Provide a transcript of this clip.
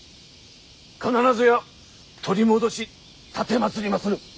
必ずや取り戻し奉りまする！